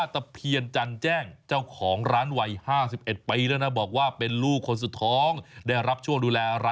ต้องหลบระเบิดหรือ